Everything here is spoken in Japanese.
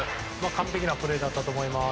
完璧なプレーだったと思います。